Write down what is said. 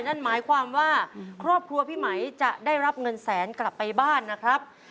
นั่นหมายความว่าครอบครัวพี่ไหมจะได้รับเงินแสนกลับไปบ้านนะครับ